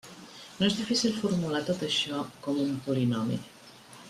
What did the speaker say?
No és difícil formular tot això com un polinomi.